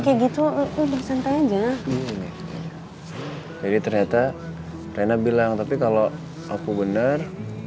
kayak gitu udah santai aja jadi ternyata rena bilang tapi kalau aku bener